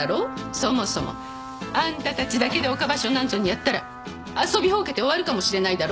そもそもあんたたちだけで岡場所なんぞにやったら遊びほうけて終わるかもしれないだろ？